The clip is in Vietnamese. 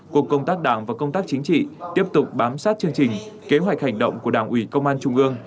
cục công tác đảng và công tác chính trị tiếp tục bám sát chương trình kế hoạch hành động của đảng ủy công an trung ương